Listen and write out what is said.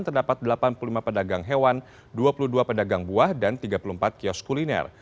terdapat delapan puluh lima pedagang hewan dua puluh dua pedagang buah dan tiga puluh empat kios kuliner